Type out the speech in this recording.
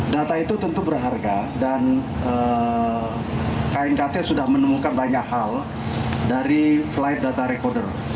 data itu tentu berharga dan knkt sudah menemukan banyak hal dari flight data recorder